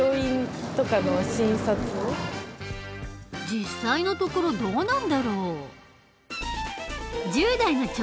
実際のところどうなんだろう？